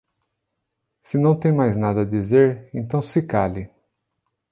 Se não tem mais nada a dizer, então se cale